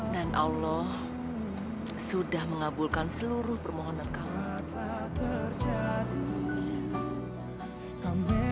dan allah sudah mengabulkan seluruh permohonan kamu